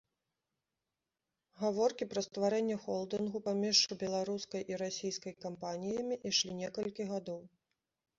Гаворкі пра стварэнне холдынгу паміж беларускай і расійскай кампаніямі ішлі некалькі гадоў.